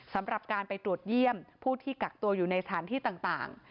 สำหรับการไปตรวจเยี่ยมผู้ที่กักตัวอยู่ในสถานที่ต่าง